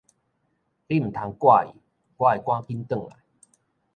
你毋通掛意，我會趕緊轉來